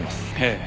ええ。